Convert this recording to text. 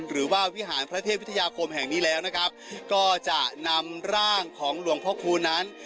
วิหารพระเทพวิทยาคมแห่งนี้แล้วนะครับก็จะนำร่างของหลวงพ่อคูณนั้น